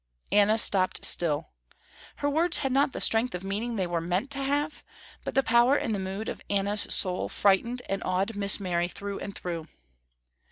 Anna stopped still. Her words had not the strength of meaning they were meant to have, but the power in the mood of Anna's soul frightened and awed Miss Mary through and through.